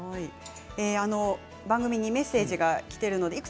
番組にメッセージがきています。